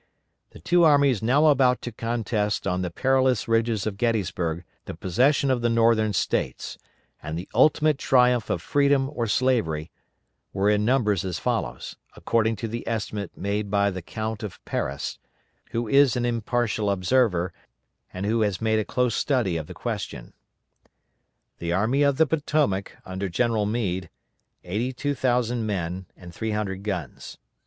The two armies now about to contest on the perilous ridges of Gettysburg the possession of the Northern States, and the ultimate triumph of freedom or slavery, were in numbers as follows, according to the estimate made by the Count of Paris, who is an impartial observer, and who has made a close study of the question: The Army of the Potomac under General Meade, 82,00 men and 300 guns.